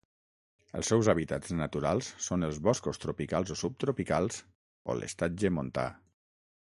Els seus hàbitats naturals són els boscos tropicals o subtropicals o l'estatge montà.